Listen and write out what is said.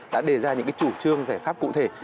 đã đề ra những chủ trương giải pháp cụ thể